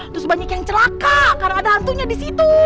terus banyak yang celaka karena ada hantunya disitu